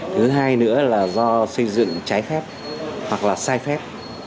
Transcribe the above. thứ hai nữa là do xây dựng trái phép hoặc là sai phép